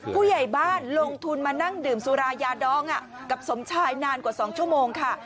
ผู้ใหญ่บ้านลงทุนมานั่งดื่มสุรายาดองกับสมชายนานกว่า๒ชั่วโมงค่ะ